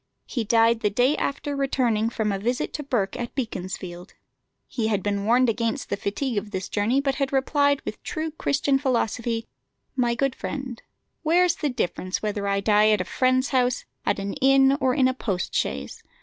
He died the day after returning from a visit to Burke at Beaconsfield. He had been warned against the fatigue of this journey, but had replied with true Christian philosophy, "My good friend, where's the difference whether I die at a friend's house, at an inn, or in a post chaise?